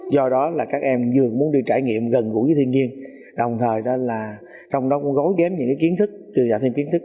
do đó là các em dường muốn đi trải nghiệm gần gũi với thiên nhiên đồng thời đó là trong đó cũng gối ghém những cái kiến thức trừ dạo thêm kiến thức